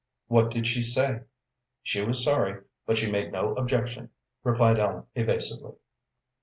"What did she say?" "She was sorry, but she made no objection," replied Ellen, evasively.